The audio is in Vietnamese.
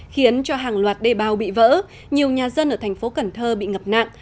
khiến cho hàng loạt đề bào bị vỡ nhiều nhà dân ở thành phố cần thơ bị ngập nặng